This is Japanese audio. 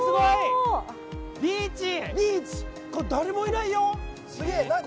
これ、誰もいないよ。